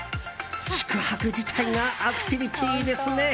宿泊自体がアクティビティーですね。